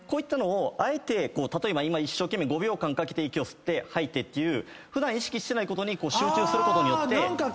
あえて例えば今一生懸命５秒間かけて息を吸って吐いてっていう普段意識してないことに集中することによって。